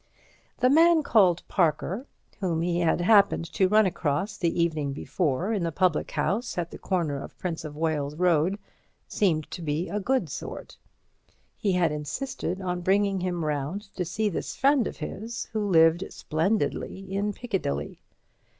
The man called Parker, whom he had happened to run across the evening before in the public house at the corner of Prince of Wales Road, seemed to be a good sort. He had insisted on bringing him round to see this friend of his, who lived splendidly in Piccadilly.